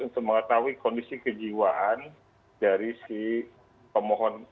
untuk mengetahui kondisi kejiwaan dari si pemohon